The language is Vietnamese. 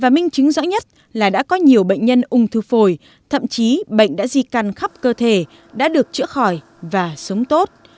minh chứng rõ nhất là đã có nhiều bệnh nhân ung thư phổi thậm chí bệnh đã di căn khắp cơ thể đã được chữa khỏi và sống tốt